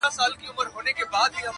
او رسنۍ پرې خبري کوي